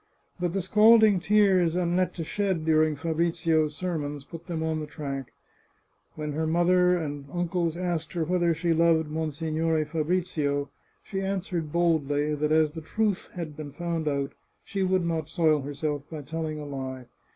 But the scalding tears Annetta shed during Fabrizio's sermons put them on the track. When her mother and uncles asked her whether she loved Monsignore Fabrizio, she answered boldly, that, as the truth had been found out, she would not soil herself by telling a lie.